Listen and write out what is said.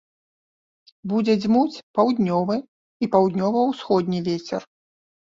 Будзе дзьмуць паўднёвы і паўднёва-ўсходні вецер.